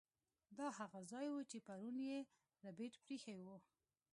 دا هغه ځای و چې پرون یې ربیټ پریښی و